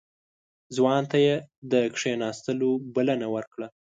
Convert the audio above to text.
ځوان ته يې د کېناستو بلنه ورکړه.